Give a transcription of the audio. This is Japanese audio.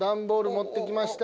持って来ました。